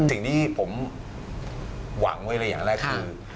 สิ่งที่ผมหวังไว้เลยอย่างแรกคือ